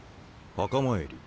墓参り。